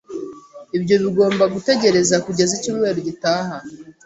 Ibyo bigomba gutegereza kugeza icyumweru gitaha